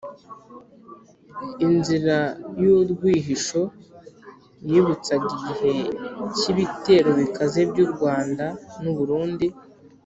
inzira y’urwihisho: yibutsaga igihe k’ibitero bikaze by’u rwanda n’u burundi